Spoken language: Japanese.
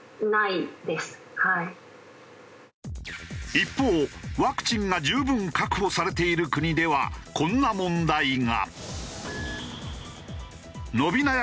一方ワクチンが十分確保されている国ではこんな問題が。